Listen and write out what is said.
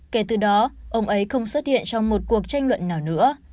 kể từ đó ông ấy không xuất hiện trong một cuộc tranh luận nào nữa